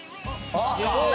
あっ！